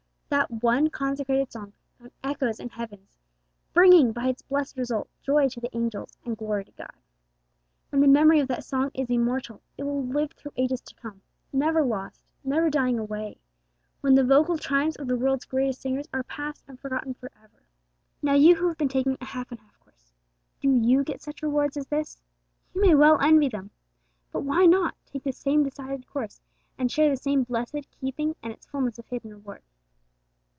That one consecrated song found echoes in heaven, bringing, by its blessed result, joy to the angels and glory to God. And the memory of that song is immortal; it will live through ages to come, never lost, never dying away, when the vocal triumphs of the world's greatest singers are past and forgotten for ever. Now you who have been taking a half and half course, do you get such rewards as this? You may well envy them! But why not take the same decided course, and share the same blessed keeping and its fulness of hidden reward?